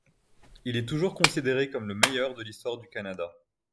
Il est toujours considéré comme le meilleur de l'histoire du Canada.